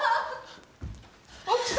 奥様！